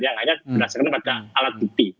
yang hanya berdasarkan pada alat bukti